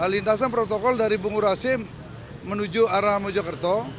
lintasan protokol dari bungurasi menuju arah mojokerto